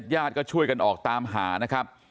ญาติก็ช่วยกันออกตามหานะครับ